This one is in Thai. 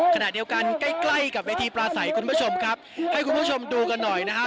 ขณะเดียวกันใกล้ใกล้กับเวทีปลาใสคุณผู้ชมครับให้คุณผู้ชมดูกันหน่อยนะฮะ